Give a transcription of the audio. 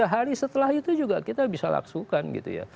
sehari setelah itu juga kita bisa laksukan gitu ya